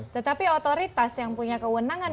tetapi otoritas yang punya kewenangan